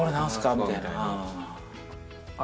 みたいな。